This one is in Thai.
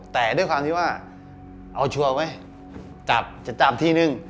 แต่ด้วยความที่ว่าเอาชัวร์ไหมจับจะจับทีนึง